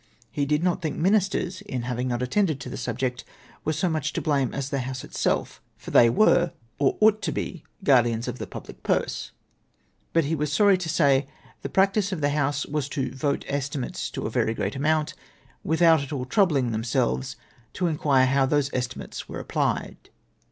He did not think ministers, in not having attended to the subject, were so much to blame as the House itself, for they were, or ought to be, the guardians of the public purse ; but he was sorry to say, the practice of the House was to rote estimates to a very great amount, witJiout at all troublinfj themselves to inquire Jioiu those estimates ivere applied.